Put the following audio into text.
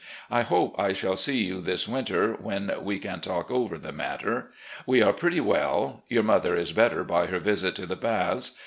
. I hope I shall see you this winter, when we can talk over the matter. W^e are pretty well. Your mother is better by her visit to the Baths.